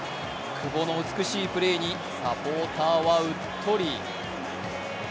久保の美しいプレーにサポーターはうっとり。